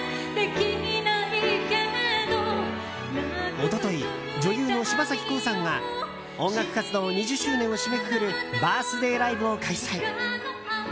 一昨日、女優の柴咲コウさんが音楽活動２０周年を締めくくるバースデーライブを開催。